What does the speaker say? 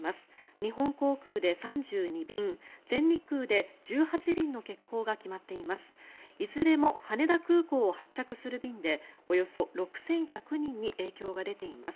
日本航空で３２便全日空で１８便の欠航が決まっています。